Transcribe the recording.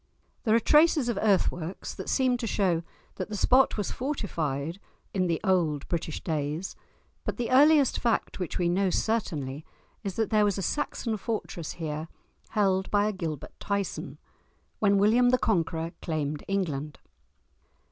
There are traces of earthworks that seem to show that the spot was fortified in the old British days, but the earliest fact which we know certainly is that there was a Saxon fortress here, held by a Gilbert Tyson, when William the Conqueror claimed England.